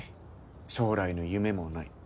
将来の夢もない。